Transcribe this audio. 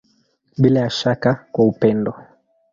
Bila ya shaka kwa upendo.